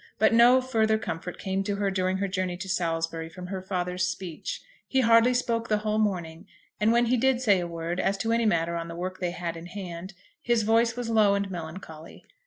But no further comfort came to her during her journey to Salisbury from her father's speech. He hardly spoke the whole morning, and when he did say a word as to any matter on the work they had in hand, his voice was low and melancholy.